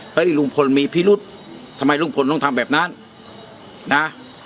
ลุงพลมีพิรุษทำไมลุงพลต้องทำแบบนั้นนะ